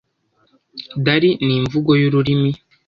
Dari ni imvugo y'ururimi